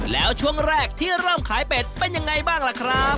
แล้วช่วงแรกที่เริ่มขายเป็ดเป็นยังไงบ้างล่ะครับ